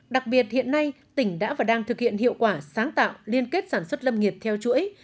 đặc biệt hiện nay tỉnh đã và đang thực hiện hiệu quả sáng tạo liên kết sản xuất lâm nghiệp theo chuỗi